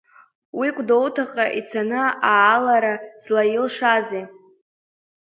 Уи Гәдоуҭаҟа ицаны аалара злаил-шазеи?